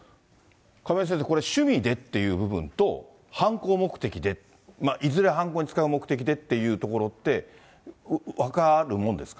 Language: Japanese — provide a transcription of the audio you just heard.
亀井先生、これ、趣味でっていう部分と、犯行目的で、いずれ犯行に使う目的でっていうところって、分かるもんですか。